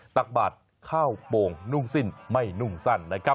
ตักบาดข้าวโป่งนุ่มสิ้นไม่นุ่มสั้นนะครับ